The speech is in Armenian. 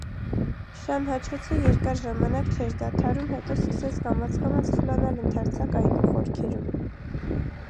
Շան հաչոցը երկար ժամանակ չէր դադարում, հետո սկսեց կամաց-կամաց խլանալ ընդարձակ այգու խորքերում: